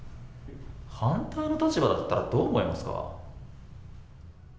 反対の立場だったらどう思いますか？